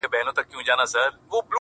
پخوا د كلي په گودر كي جـادو’